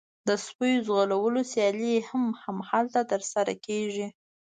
د سپیو ځغلولو سیالۍ هم هلته ترسره کیږي